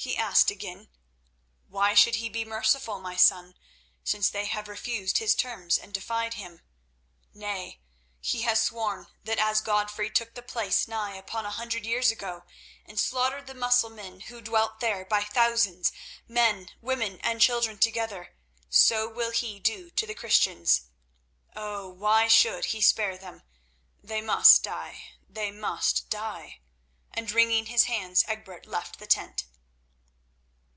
he asked again. "Why should he be merciful, my son, since they have refused his terms and defied him? Nay, he has sworn that as Godfrey took the place nigh upon a hundred years ago and slaughtered the Mussulmen who dwelt there by thousands, men, women, and children together, so will he do to the Christians. Oh! why should he spare them? They must die! They must die!" and wringing his hands Egbert left the tent.